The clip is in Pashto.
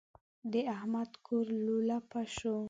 د احمد کور لولپه شو.